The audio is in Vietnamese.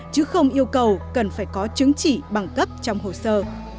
chứ không yêu cầu cần phải có chứng chỉ bằng cấp trong hồ sơ